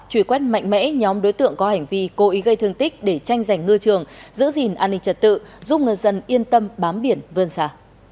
truy quét mạnh mẽ nhóm đối tượng có hành vi cố ý gây thương tích để tranh giành ngư trường giữ gìn an ninh trật tự giúp ngư dân yên tâm bám biển vươn xa